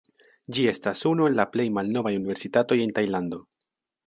Ĝi estas unu el la plej malnovaj universitatoj en Tajlando.